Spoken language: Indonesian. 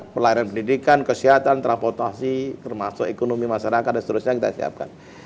pelayanan pendidikan kesehatan transportasi termasuk ekonomi masyarakat dan seterusnya kita siapkan